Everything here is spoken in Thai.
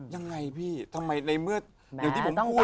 ยังไงพี่ทำไมในเมื่ออย่างที่ผมพูด